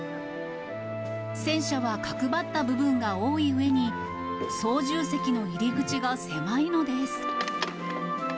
戦車は角張った部分が多いうえに、操縦席の入り口が狭いのです。